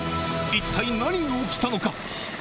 一体何が起きたのか？